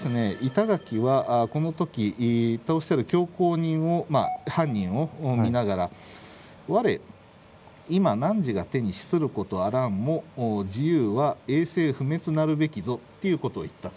板垣はこの時凶行人を犯人を見ながら「我今汝が手に死することあらんも自由は永世不滅なるべきぞ」っていうことを言ったと。